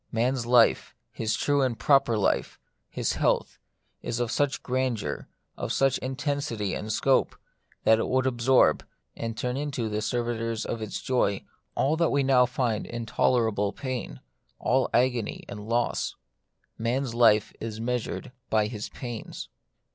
Man's life, his true and proper life, his health, is of such grandeur, of such intensity and scope, that it would absorb, and turn into the servitors of its joy, all that we now find intolerable pain, all agony and loss. Man's life is measured by his pains.